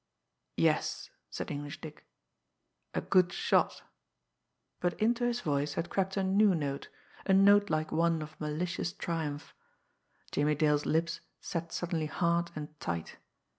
"Yes," said English Dick, "a good shot" but into his voice had crept a new note, a note like one of malicious triumph. Jimmie Dale's lips set suddenly hard and tight.